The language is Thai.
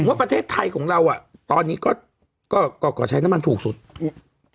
ว่าประเทศไทยของเราอ่ะตอนนี้ก็ก็ก่อก่อใช้น้ำมันถูกสุดอืม